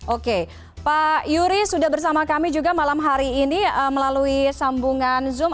oke pak yuri sudah bersama kami juga malam hari ini melalui sambungan zoom